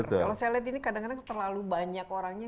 kalau saya lihat ini kadang kadang terlalu banyak orangnya